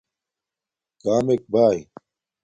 کامک باݵ